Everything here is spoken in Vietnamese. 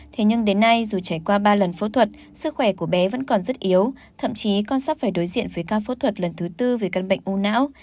thế nhưng đến nay dù trải qua ba lần phẫu thuật sức khỏe của bé vẫn còn rất yếu thậm chí con sắp phải đối diện với ca phẫu thuật lần thứ tư về căn bệnh ung não